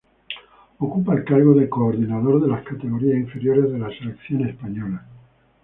Ocupa el cargo de coordinador de las categorías inferiores de la selección española.